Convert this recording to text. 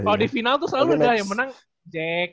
kalo di final tuh selalu udah yang menang jack